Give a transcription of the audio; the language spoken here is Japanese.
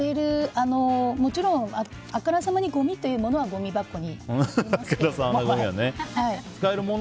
もちろんあからさまにごみというものはごみ箱に入れますけども。